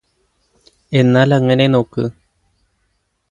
എന്നാല് അങ്ങനെ നോക്ക്